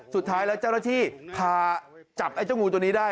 สุดท้ายแล้วเจ้าหน้าที่พาจับไอ้เจ้างูตัวนี้ได้